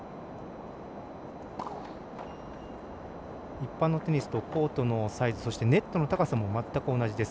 一般のテニスと、コートのサイズそしてネットの高さも全く同じです。